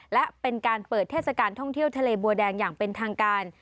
และเป็นการเปิดเทศกาลท่องเที่ยวทะเลบัวแดงอย่างเป็นทางการ